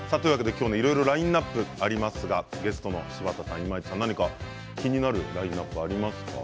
いろいろラインナップがありますが、柴田さん今市さん、何か気になるラインナップありますか。